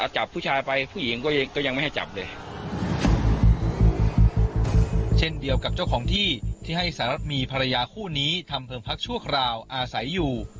เช่นเดียวกับเจ้าของที่ที่ให้สารับมีภรรยาคู่นี้ทำเพิ่มพักชั่วคราวอาศัยอยู่